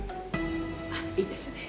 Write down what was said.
あっいいですね。